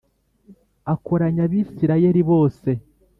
Akoranya Abisirayeli bose